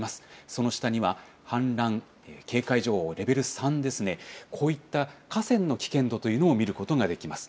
その下には、氾濫警戒情報レベル３ですね、こういった河川の危険度というのを見ることができます。